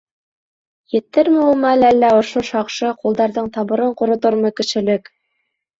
Етерме ул мәл әллә ошо шаҡшы ҡулдарҙың тамырын ҡоротормо кешелек?